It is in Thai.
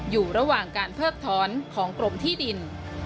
อยู่ระหว่างการเพิกถอนของกรมที่ดิน